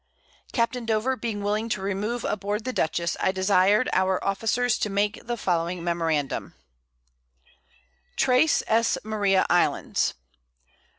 Capt. Dover being willing to remove aboard the Dutchess, I desired our Officers to make the following Memorandum. Tres S. Maria Islands.